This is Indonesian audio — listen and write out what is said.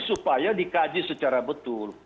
supaya dikaji secara betul